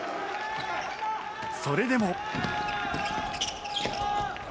それでも。